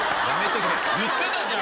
言ってたじゃん！